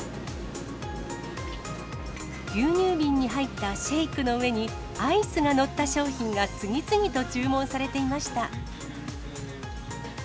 牛乳瓶に入ったシェイクの上にアイスが載った商品が次々と注文されていました。